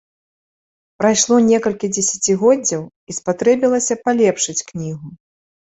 Прайшло некалькі дзесяцігоддзяў, і спатрэбілася палепшыць кнігу.